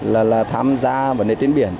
là tham gia vấn đề trên biển